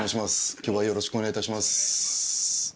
今日はよろしくお願いいたします。